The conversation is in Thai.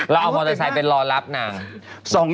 เอามอเตอร์ไซค์ไปรอรับนาง